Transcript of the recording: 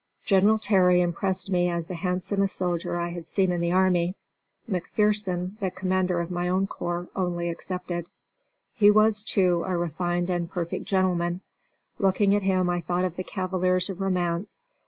General Terry impressed me as the handsomest soldier I had seen in the army McPherson, the commander of my own corp, only excepted. He was, too, a refined and perfect gentleman. Looking at him I thought of the cavaliers of romance.